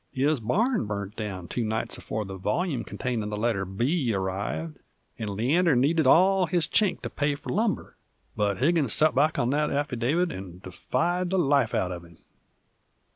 His barn burnt down two nights afore the volyume containin' the letter B arrived, and Leander needed all his chink to pay f'r lumber, but Higgins sot back on that affidavit and defied the life out uv him.